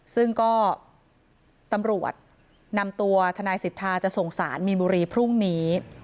ซึ่งก็ตำรวจนำตัวทนายสิทธาจะส่งสารมีนบุรีพรุ่งนี้